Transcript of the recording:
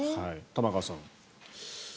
玉川さん。